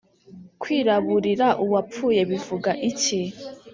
Kwiraburira uwapfuye bivuga iki?